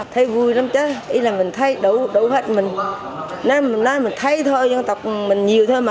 thấy vui lắm chứ ý là mình thấy đủ đủ hết mình nói mình thấy thôi dân tộc mình nhiều thôi mà